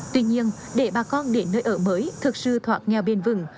tuy nhiên để bà con đến nơi ở mới thực sự thoạt nghèo bền vững